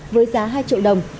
với giá hai triệu đồng